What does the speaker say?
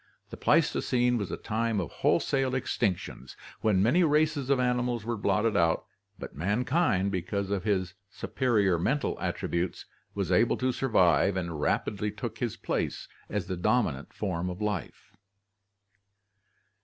The Pleistocene was a time of wholesale extinctions, when many races of animals were blotted out, but mankind, be cause of his superior mental attributes, was able to survive and rapidly took his place as the dominant form of life.